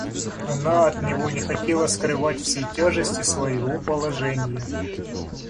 Она от него не хотела скрывать всей тяжести своего положения.